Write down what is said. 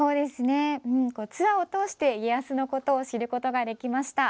ツアーを通して家康のことを知ることができました。